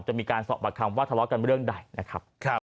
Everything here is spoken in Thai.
จะมีการสอบประคำว่าทะเลาะกันเรื่องใดนะครับ